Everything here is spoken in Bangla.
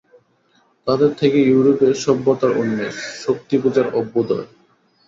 তাদের থেকে ইউরোপে সভ্যতার উন্মেষ, শক্তিপূজার অভ্যুদয়।